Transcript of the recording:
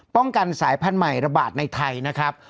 สายพันธุ์ใหม่ระบาดในไทยนะครับ